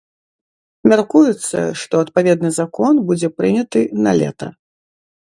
Мяркуецца, што адпаведны закон будзе прыняты налета.